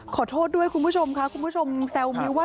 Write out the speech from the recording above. ขอโทษด้วยคุณผู้ชมค่ะคุณผู้ชมแซวมิ้วว่า